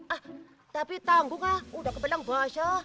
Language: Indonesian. ah tapi tanggung ah udah kebeleng bahasa